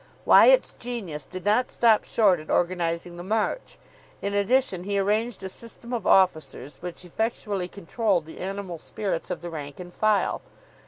Wyatt's genius did not stop short at organising the march. In addition, he arranged a system of officers which effectually controlled the animal spirits of the rank and file.